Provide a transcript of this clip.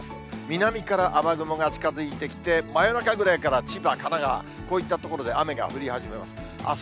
南から雨雲が近づいてきて、真夜中ぐらいから千葉、神奈川、こういった所で雨が降り始めます。